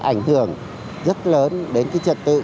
ảnh hưởng rất lớn đến cái trật tự